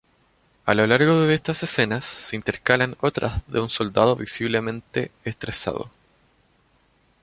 A lo largo de estas escenas se intercalan otras de un soldado visiblemente estresado.